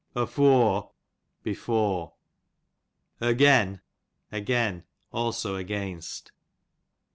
Ofore, before. Ogen, again; also against.